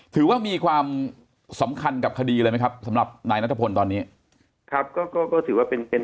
ถือว่ามีความสำคัญกับคดีเลยไหมครับสำหรับนายนัทพลตอนนี้ครับก็ก็ถือว่าเป็นเป็น